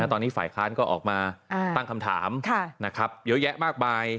ตอนนี้ฝ่ายค้านก็ออกมาตั้งคำถามเยอะแยะมากมาย